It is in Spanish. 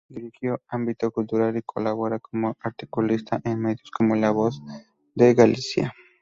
Dirigió "Ámbito Cultural" y colabora como articulista en medios, como "La Voz de Galicia".